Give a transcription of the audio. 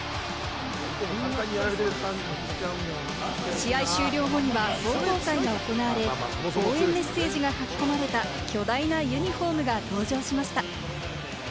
試合終了後には壮行会が行われ、応援メッセージが書き込まれた巨大なユニホームが登場しました。